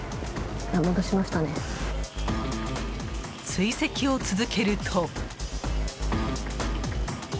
追跡を続けると。